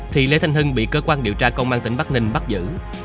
thì lê thanh hưng bị cơ quan điều tra công an tỉnh bắc ninh bắt giữ